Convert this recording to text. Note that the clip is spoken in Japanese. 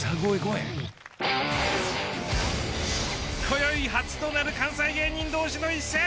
こよい初となる関西芸人どうしの一戦。